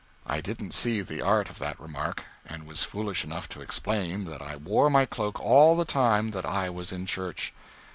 I didn't see the art of that remark, and was foolish enough to explain that I wore my cloak all the time that I was in church.